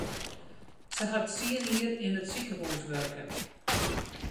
Se hat tsien jier yn it sikehús wurke.